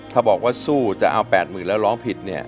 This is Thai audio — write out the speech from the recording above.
ถ้าบอกว่าสู้จะเอา๘๐๐๐แล้วร้องผิดเนี่ย